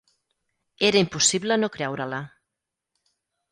Era impossible no creure-la.